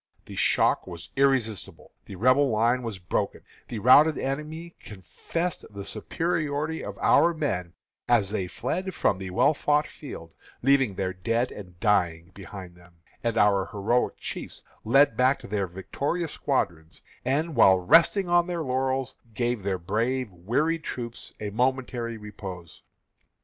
The shock was irresistible; the Rebel line was broken the routed enemy confessed the superiority of our men as they fled from the well fought field, leaving their dead and dying behind them; and our heroic chiefs led back their victorious squadrons, and, while resting on their laurels, gave their brave, wearied troops a momentary repose."